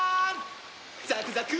ザクザク！